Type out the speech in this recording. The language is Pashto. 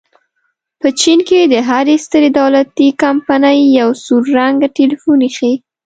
په چین کې د هرې سترې دولتي کمپنۍ یو سور رنګه ټیلیفون ایښی.